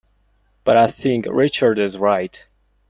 But I think Richard is right.